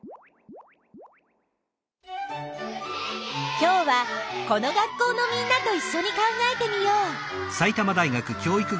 今日はこの学校のみんなといっしょに考えてみよう。